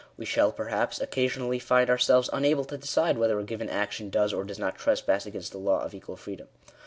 We shall, perhaps, occasionally find ourselves unable to decide whether a given action does or does not trespass against the law of equal freedom.